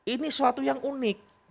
ini suatu yang unik